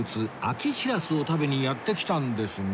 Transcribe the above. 秋シラスを食べにやって来たんですが